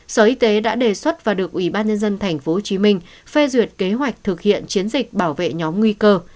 sở y tế đã đề xuất và được ủy ban nhân dân tp hcm phê duyệt kế hoạch thực hiện chiến dịch bảo vệ nhóm nguy cơ